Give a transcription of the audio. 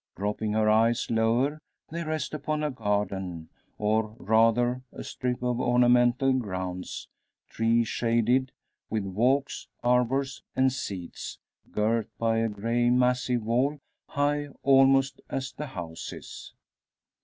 Dropping her eyes lower they rest upon a garden, or rather a strip of ornamental grounds, tree shaded, with walks, arbours, and seats, girt by a grey massive wall, high almost as the houses.